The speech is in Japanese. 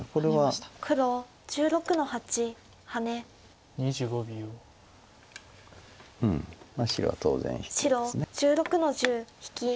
白１６の十引き。